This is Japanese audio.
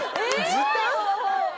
時短？